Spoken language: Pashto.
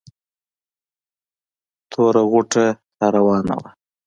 توره غوټه را راوانه وه.